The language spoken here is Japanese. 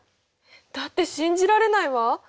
だって信じられないわ。